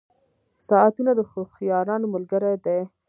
• ساعتونه د هوښیارانو ملګري دي.